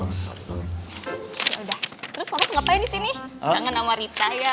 ngapain di sini